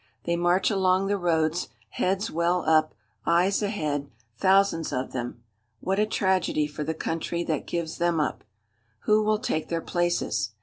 They march along the roads, heads well up, eyes ahead, thousands of them. What a tragedy for the country that gives them up! Who will take their places?